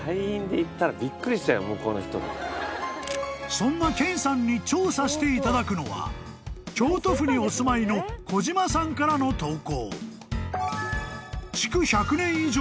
［そんな研さんに調査していただくのは京都府にお住まいの小嶋さんからの投稿］